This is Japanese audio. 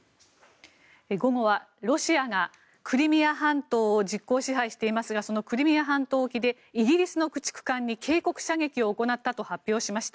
午後はロシアがクリミア半島を実効支配していますがそのクリミア半島沖でイギリスの駆逐艦に警告射撃を行ったと発表しました。